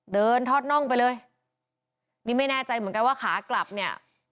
เดินทอดน่องไปเลยนี่ไม่แน่ใจเหมือนกันว่าขากลับเนี่ย